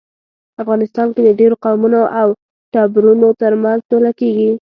افغانستان کې د ډیرو قومونو او ټبرونو ترمنځ سوله کیږي